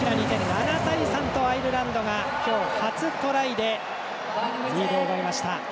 ７対３とアイルランドが今日、初トライでリードを奪いました。